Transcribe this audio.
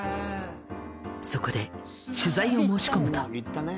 そこで取材を申し込むと。